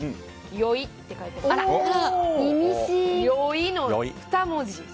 「良い」の２文字。